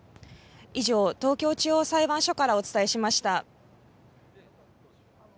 以上、東京地方裁判所からお伝えしました。